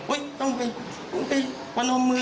โอ๊ยต้องไปการอมมือ